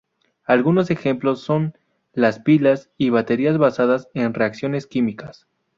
Algunos ejemplos son: las pilas y baterías basadas en reacciones químicas.